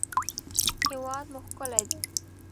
هېواد مو ښکلی دی